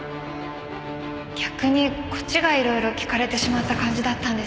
逆にこっちが色々聞かれてしまった感じだったんですけど。